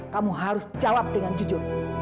kamu harus jawab dengan jujur